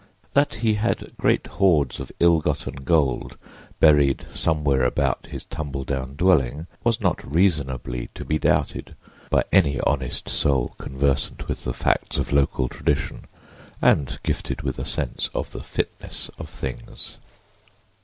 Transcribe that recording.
That he had great hoards of ill gotten gold buried somewhere about his tumble down dwelling was not reasonably to be doubted by any honest soul conversant with the facts of local tradition and gifted with a sense of the fitness of things.